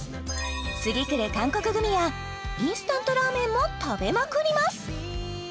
次くる韓国グミやインスタントラーメンも食べまくります